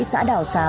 xã đào xá